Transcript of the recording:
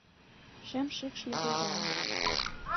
Шем шикш легылда